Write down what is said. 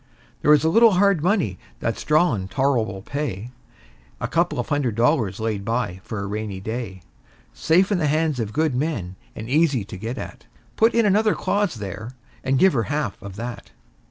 There is a little hard money that's drawin' tol'rable pay: A couple of hundred dollars laid by for a rainy day; Safe in the hands of good men, and easy to get at; Put in another clause there, and give her half of that.